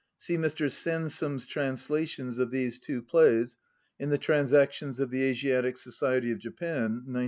(See Mr. Sansom's translations of these two plays in the Transactions of the Asiatic Society of Japan, 1911.)